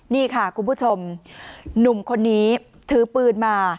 นี่ค่ะคุณผู้ชมหนุ่มคนนี้ถือปืนมา